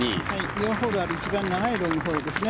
４ホールある一番長いロングホールですね。